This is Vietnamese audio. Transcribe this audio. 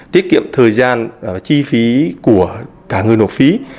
tiết kiệm thời gian chi phí của cả người nộp phí